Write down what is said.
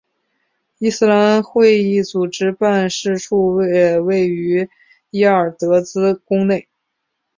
伊斯兰会议组织办事处也位于耶尔德兹宫内。